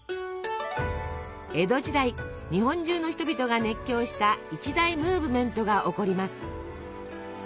江戸時代日本中の人々が熱狂した一大ムーブメントが起こります。